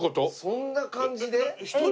そんな感じで？